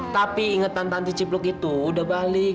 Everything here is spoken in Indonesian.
tapi ingetan tanti cipluk itu udah balik